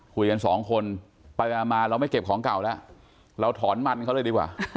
คุยกันสองคนไปมาเราไม่เก็บของเก่าแล้วเราถอนมันเขาเลยดีกว่า